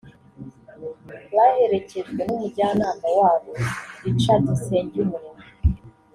Baherekejwe n’umujyanama wabo Richard Nsengumuremyi